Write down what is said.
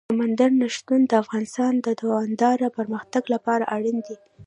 سمندر نه شتون د افغانستان د دوامداره پرمختګ لپاره اړین دي.